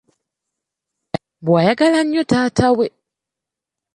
Mbu ayagala nnyo taata we!